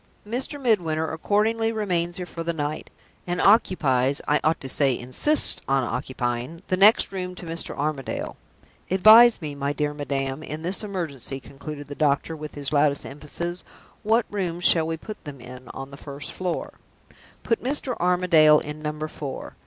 Mr. Midwinter accordingly remains here for the night; and occupies (I ought to say, insists on occupying) the next room to Mr. Armadale. Advise me, my dear madam, in this emergency," concluded the doctor, with his loudest emphasis. "What rooms shall we put them in, on the first floor?" "Put Mr. Armadale in Number Four."